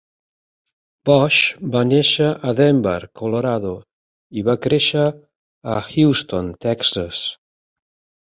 Bush va néixer a Denver, Colorado, i va créixer a Houston, Texas.